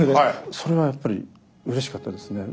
それはやっぱりうれしかったですね。